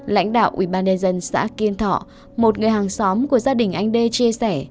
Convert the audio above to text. lãnh đạo ubnd xã kiên thọ một người hàng xóm của gia đình anh đê chia sẻ